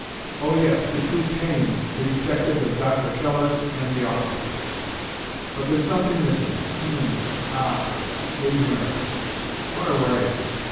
Oh, yes, the two Taines, the detective of Dr. Keller's and the author. But there's something missing. Hm m ah, A. Merritt! What a writer!